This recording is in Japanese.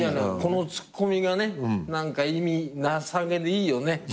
このツッコミがね何か意味なさげでいいよね。